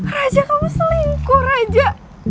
raja kamu selingkuh raja